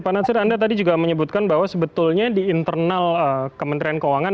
pak nasir anda tadi juga menyebutkan bahwa sebetulnya di internal kementerian keuangan